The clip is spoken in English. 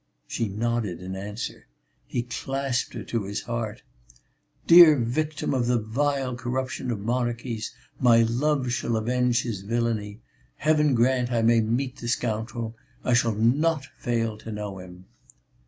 She nodded in answer. He clasped her to his heart: "Dear victim of the vile corruption of monarchies, my love shall avenge his villainy! Heaven grant, I may meet the scoundrel! I shall not fail to know him!"